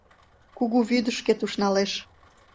Кугу вӱдышкет ушналеш.